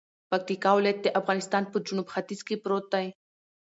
پکتیکا ولایت دافغانستان په جنوب ختیځ کې پروت دی